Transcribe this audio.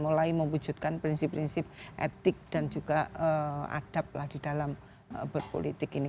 mulai mewujudkan prinsip prinsip etik dan juga adab di dalam berpolitik ini